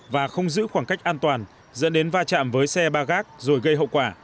và không giữ khoảng cách an toàn dẫn đến va chạm với xe ba gác rồi gây hậu quả